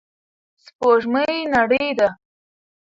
سپوږمۍ نرۍ ده.